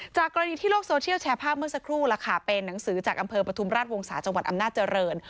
กรณีที่โลกโซเชียลแชร์ภาพเมื่อสักครู่ล่ะค่ะเป็นหนังสือจากอำเภอปฐุมราชวงศาจังหวัดอำนาจเจริญ